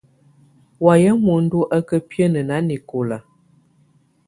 Wayɛ̀ muǝndù á ká biǝ́nǝ́ nanɛkɔ̀la.